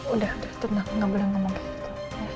udah tenang nggak boleh ngomong kayak gitu